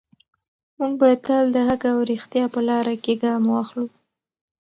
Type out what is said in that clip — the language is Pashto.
موږ باید تل د حق او ریښتیا په لاره کې ګام واخلو.